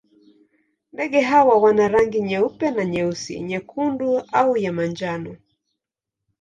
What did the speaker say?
Ndege hawa wana rangi nyeupe na nyeusi, nyekundu au ya manjano.